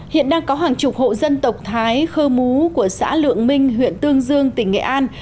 hiện đang có hàng chục hộ dân tộc thái khơ mú của xã lượng minh huyện tương dương tỉnh nghệ an